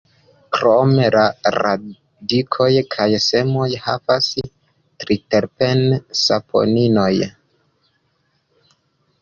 Krome la radikoj kaj semoj havas triterpen-saponinojn.